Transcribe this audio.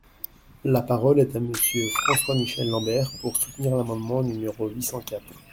La parole est à Monsieur François-Michel Lambert, pour soutenir l’amendement numéro huit cent quatre.